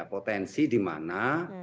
potensi di mana